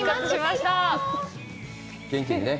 元気にね。